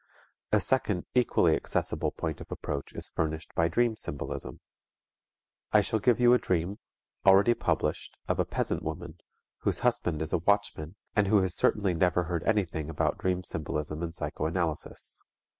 A second equally accessible point of approach is furnished by dream symbolism. I shall give you a dream, already published, of a peasant woman, whose husband is a watchman and who has certainly never heard anything about dream symbolism and psychoanalysis.